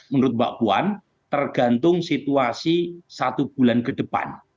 menurut mbak puan tergantung situasi satu bulan ke depan